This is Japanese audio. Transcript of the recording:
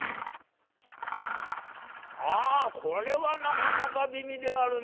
「あこれはなかなか美味であるな。